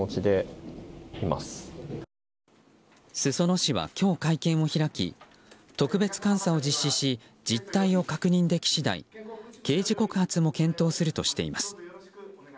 裾野市は今日、会見を開き特別監査を実施し実態を確認でき次第刑事告発も検討するとしています。